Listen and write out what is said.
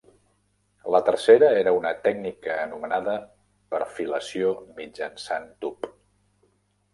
La tercera era una tècnica anomenada perfilació mitjançant tub.